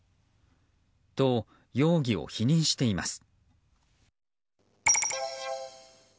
と、容疑を否認しています。